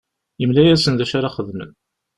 Yemla-asen d acu ara xedmen.